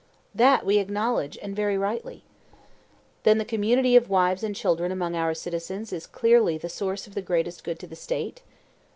That we acknowledged, and very rightly. Then the community of wives and children among our citizens is clearly the source of the greatest good to the State?